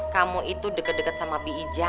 kamu itu deket deket sama bi ijah